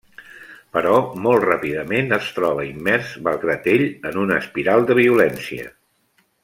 Però molt ràpidament es troba immers malgrat ell en una espiral de violència.